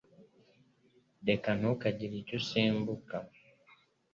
reka ntukagire icyu usimbuka